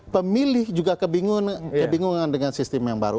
pemilih juga kebingungan dengan sistem yang baru